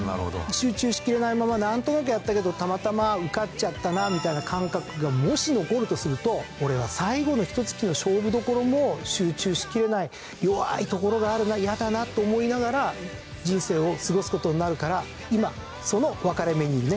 集中しきれないままなんとなくやったけどたまたま受かっちゃったなみたいな感覚がもし残るとすると「俺は最後のひと月の勝負どころも集中しきれない」「弱いところがあるな嫌だな」と思いながら人生を過ごす事になるから今その分かれ目にいるね。